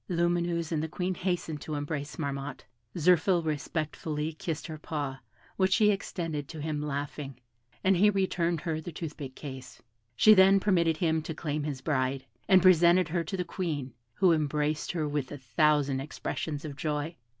Lumineuse and the Queen hastened to embrace Marmotte, Zirphil respectfully kissed her paw, which she extended to him, laughing; and he returned her the toothpick case. She then permitted him to claim his bride, and presented her to the Queen, who embraced her with a thousand expressions of joy.